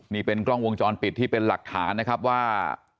นี่เป็นกล้องวงจรปิดที่เป็นหลักฐานนะครับว่า